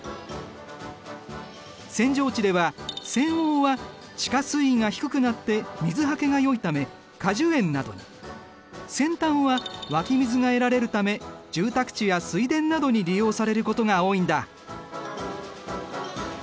扇状地では扇央は地下水位が低くなって水はけがよいため果樹園などに扇端は湧き水が得られるため住宅地や水田などに利用されることが多いんだ。